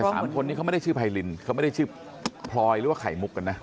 สามคนนี้เขาไม่ได้ชื่อไพรินเขาไม่ได้ชื่อพลอยหรือว่าไข่มุกกันนะ